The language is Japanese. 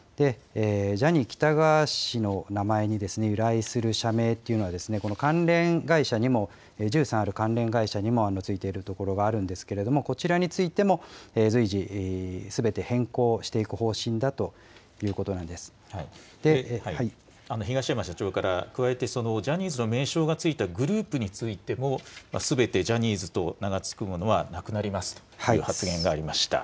ジャニー喜多川氏の名前に由来する社名っていうのは、関連会社にも１３ある関連会社にも付いているところがあるんですけれども、こちらについても、随時、すべて変更していく方針だと東山社長から、加えて、ジャニーズの名称が付いたグループについても、すべてジャニーズと名が付くものはなくなりますという発言がありました。